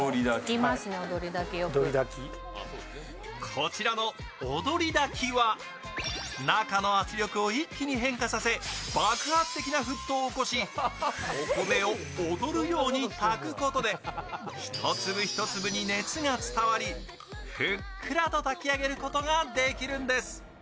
こちらのおどり炊きは中の圧力を一気に変化させ爆発的な沸騰を起こし、お米を踊るように炊くことで１粒１粒に熱が伝わりふっくらと炊き上げることができるんです。